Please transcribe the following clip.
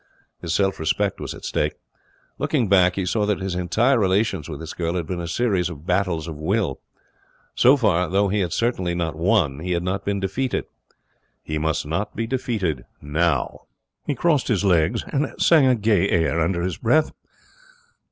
His self respect was at stake. Looking back, he saw that his entire relations with this girl had been a series of battles of will. So far, though he had certainly not won, he had not been defeated. He must not be defeated now. He crossed his legs and sang a gay air under his breath.